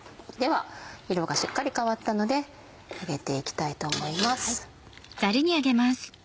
では色がしっかり変わったので上げて行きたいと思います。